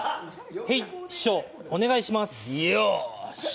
へい、師匠お願いします。